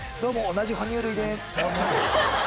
同じ哺乳類です。